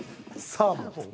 サーモン。